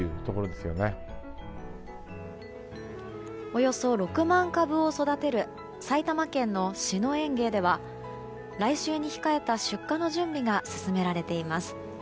およそ６万株を育てる埼玉県の篠園芸では来週に控えた出荷の準備が進められています。